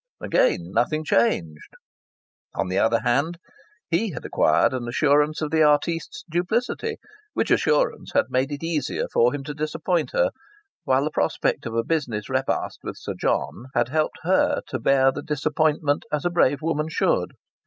Again, nothing changed! On the other hand, he had acquired an assurance of the artiste's duplicity, which assurance had made it easier for him to disappoint her, while the prospect of a business repast with Sir John had helped her to bear the disappointment as a brave woman should.